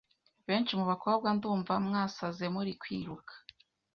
benshi mu bakobwa ndumva mwasaze murikwiruka